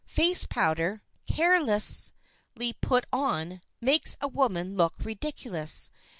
Face powder, carelessly put on, makes a woman look ridiculous.